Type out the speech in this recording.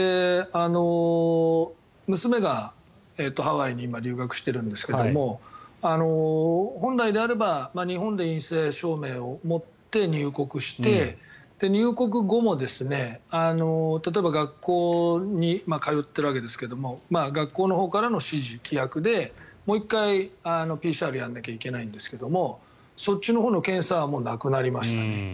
娘がハワイに今、留学してるんですけども本来であれば日本で陰性証明を持って入国して、入国後も例えば学校に通っているわけですけど学校のほうからの指示、規約でもう１回、ＰＣＲをやらなきゃいけないんですけどそっちのほうの検査はなくなりましたね。